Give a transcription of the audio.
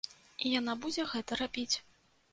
І яна будзе гэта рабіць.